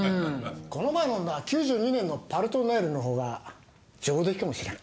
この前飲んだ９２年の「パルトネール」のほうが上出来かもしれん。